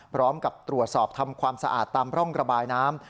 พร้อมกับตรวจสอบทำความสะอาดตามร่องระบายน้ำ